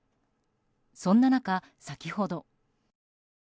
そんな中、先ほど。